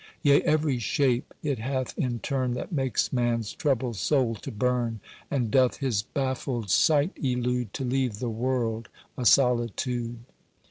Yea, every shape it hath in turn That makes man's troubled soul to burn, And doth his baffled sight elude To leave the world a solitude.